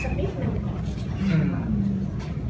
จากนั้นที่ลืมที่มันซะใบ